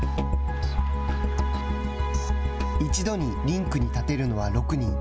一度にリンクに立てるのは６人。